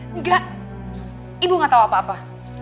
enggak ibu gak tahu apa apa